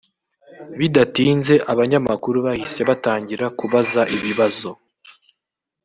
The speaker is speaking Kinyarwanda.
Bidatinze abanyamakuru bahise batangira kubaza ibibazo